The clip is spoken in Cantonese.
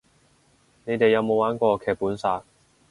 你哋有冇玩過劇本殺